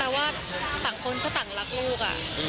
ว่าต่างคนก็ต่างรักลูก